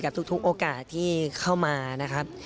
ทุกโอกาสที่เข้ามานะครับ